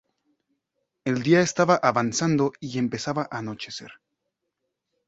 El día estaba avanzado y empezaba a anochecer.